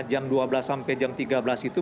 jam dua belas sampai jam tiga belas itu